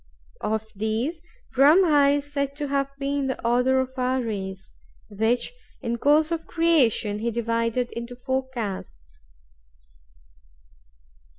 Of these, Brahma is said to have been the author of our race; which, in course of creation, he divided into four castes.